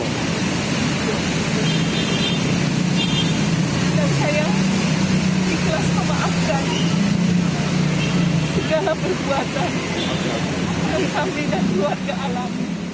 dan saya ikhlas memaafkan segala perbuatan dari kami dan keluarga alam